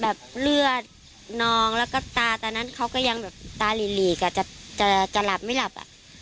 คือเลือดนองแล้วก็ตาตอนนั้นเขาก็ยังตาหลีกจะหลับไม่หลับ